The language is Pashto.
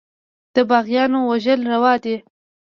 د باغيانو وژل روا دي.